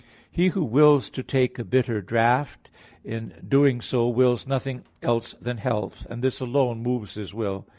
He who wills to take a bitter draught, in doing so wills nothing else than health; and this alone moves his will.